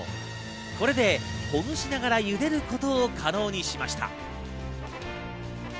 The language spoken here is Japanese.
これで、ほぐしながら茹でることを可能にしました。